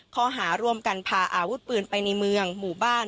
ข้อหาร่วมกันพาอาวุธปืนไปในเมืองหมู่บ้าน